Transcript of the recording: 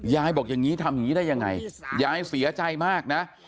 บอกอย่างนี้ทำอย่างนี้ได้ยังไงยายเสียใจมากนะ